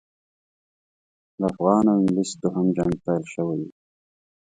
د افغان او انګلیس دوهم جنګ پیل شوی وو.